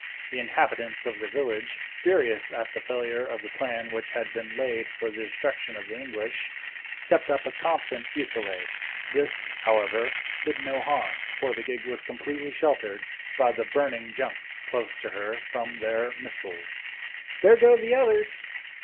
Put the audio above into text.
The inhabitants of the village, furious at the failure of the plan which had been laid for the destruction of the English, kept up a constant fusillade. This, however, did no harm, for the gig was completely sheltered by the burning junks close to her from their missiles. "There go the others!"